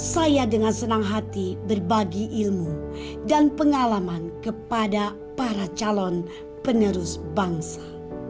saya dengan senang hati berbagi ilmu dan pengalaman kepada para calon penerus bangsa